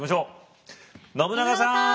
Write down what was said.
信長さん！